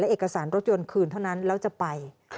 เอกสารรถยนต์คืนเท่านั้นแล้วจะไป